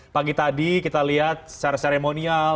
pagi tadi kita lihat secara seremonial